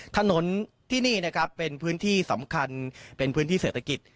ถนนที่นี่นะครับเป็นพื้นที่สำคัญเป็นพื้นที่เศรษฐกิจ